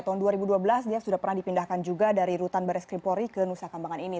tahun dua ribu dua belas dia sudah pernah dipindahkan juga dari rutan baris krimpori ke nusa kambangan ini